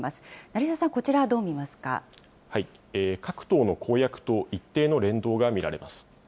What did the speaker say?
成澤さん、こちら、各党の公約と一定の連動が見られます。